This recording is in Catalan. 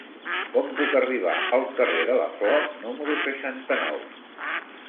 Com puc arribar al carrer de la Flor número seixanta-nou?